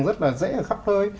rất là dễ ở khắp nơi